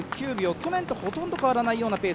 去年とほとんど変わらないようなペース。